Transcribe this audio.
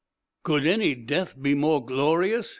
"Could any death be more glorious?"